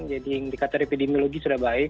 jadi indikator epidemiologi sudah baik